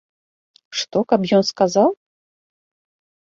Што, каб ён сказаў?